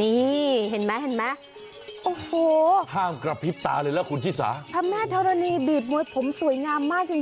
นี่เห็นไหมเห็นไหมโอ้โหห้ามกระพริบตาเลยแล้วคุณชิสาพระแม่ธรณีบีบมวยผมสวยงามมากจริง